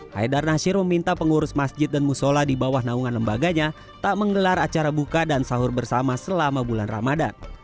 haidar nasir meminta pengurus masjid dan musola di bawah naungan lembaganya tak menggelar acara buka dan sahur bersama selama bulan ramadan